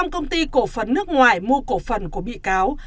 công ty cổ phần nước ngoài mua cổ phần của bị cáo